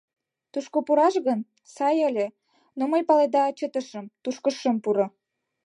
Тушко пураш гын, сай ыле, но мый, паледа, чытышым, тушко шым пуро.